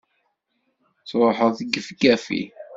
Truḥeḍ gefgafi!